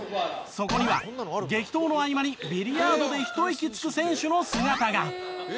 そこには激闘の合間にビリヤードでひと息つく選手の姿が。